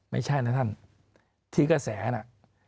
ไม่ใช่นะท่านที่กระแสน่ะ